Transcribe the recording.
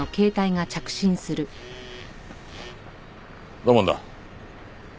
土門だ。